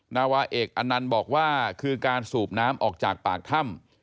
นาวาเอกอนันต์บอกว่าคือการสูบน้ำออกจากปากถ้ำ